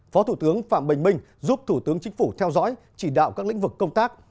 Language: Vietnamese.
phó thủ tướng phạm bình minh giúp thủ tướng chính phủ theo dõi chỉ đạo các lĩnh vực công tác